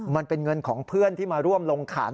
มันเป็นเงินของเพื่อนที่มาร่วมลงขัน